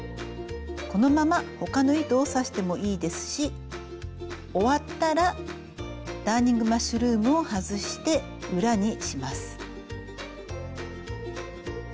このまま他の糸を刺してもいいですし終わったらダーニングマッシュルームを外して裏にします。